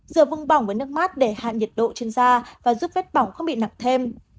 rửa vùng bỏng với nước mát để hạn nhiệt độ trên da và giúp vết bỏng không bị nặng thêm